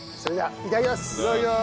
いただきます。